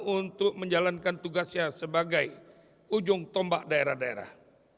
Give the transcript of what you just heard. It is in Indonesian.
untuk menjalankan tugasnya sebagai ujung tombak daerah daerah